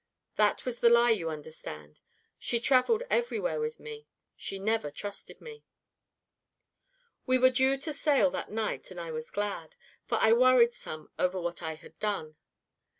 That was the lie, you understand. She traveled everywhere with me. She never trusted me. "We were due to sail that night, and I was glad. For I worried some over what I had done.